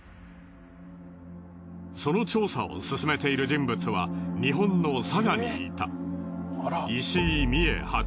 その調査を進めている人物は日本の佐賀にいた。